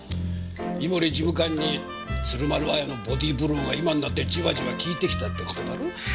井森事務官に鶴丸あやのボディーブローが今になってジワジワ効いてきたって事だろ？